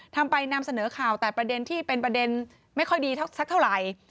ทำไปนำเสนอข่าวแต่ประเด็นที่เป็นประเด็นไม่ค่อยดีสักเท่าไหร่